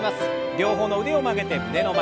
両方の腕を曲げて胸の前。